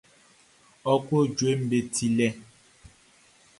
Ɔ klo jueʼm be tielɛ.